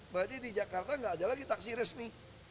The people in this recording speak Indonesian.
berarti di jakarta nggak ada lagi taksi resmi